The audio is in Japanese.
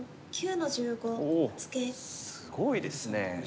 おおすごいですね。